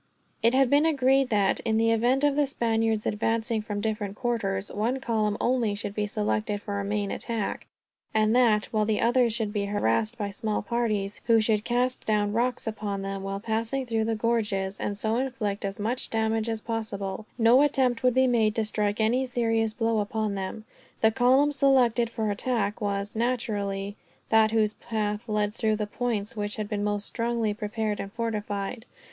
It had been agreed that, in the event of the Spaniards advancing from different quarters, one column only should be selected for a main attack; and that, while the others should be harassed by small parties, who should cast down rocks upon them while passing through the gorges, and so inflict as much damage as possible, no attempt would be made to strike any serious blow upon them. The column selected for attack was, naturally, that whose path led through the points which had been most strongly prepared and fortified.